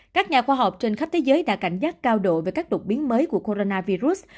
các nhà khoa học trên khắp thế giới đã cảnh giác cao độ về các đột biến mới của coronavirus